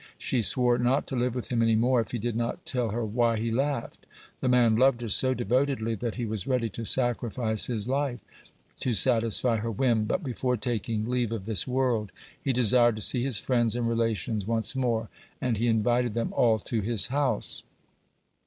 She swore not to live with him any more if he did not tell her why he laughed. The man loved her so devotedly that he was ready to sacrifice his life to satisfy her whim, but before taking leave of this world he desired to see his friends and relations once more, and he invited them all to his house.